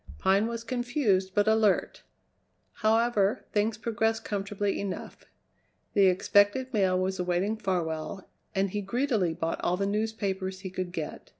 Pine was confused but alert. However, things progressed comfortably enough. The expected mail was awaiting Farwell, and he greedily bought all the newspapers he could get.